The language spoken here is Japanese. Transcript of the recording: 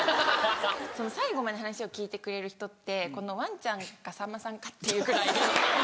最後まで話を聞いてくれる人ってワンちゃんかさんまさんかっていうぐらい。